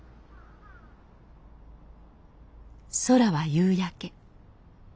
空は夕焼け。